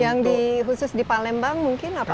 yang khusus di palembang mungkin apa saja ya